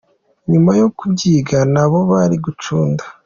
Nyuma yo kubyiga nabo bari gucunda.